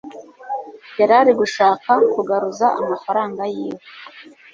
yarari gushaka kugaruza Amafaranga yiwe